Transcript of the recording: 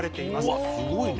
うわっすごいね。